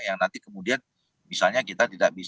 yang nanti kemudian misalnya kita tidak bisa